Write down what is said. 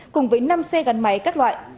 cùng với năm xe gắn máy các loại